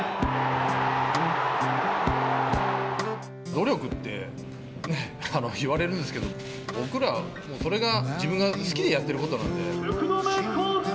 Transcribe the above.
努力って言われるんですけど、僕ら、それが、自分が好きでやっていることなんで。